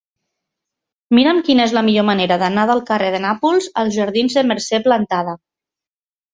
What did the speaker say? Mira'm quina és la millor manera d'anar del carrer de Nàpols als jardins de Mercè Plantada.